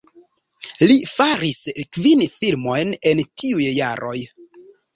Li faris kvin filmojn en tiuj jaroj.